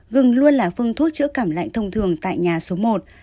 gừng luôn là phun thuốc chữa cảm lạnh thông thường tại nhà số một